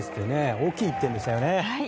大きい１点でしたね。